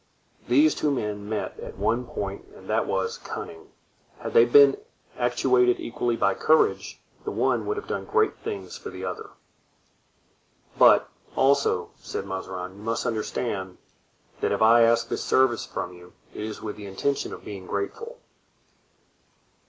These two men met at one point and that was, cunning; had they been actuated equally by courage, the one would have done great things for the other. "But, also," said Mazarin, "you must understand that if I ask this service from you it is with the intention of being grateful."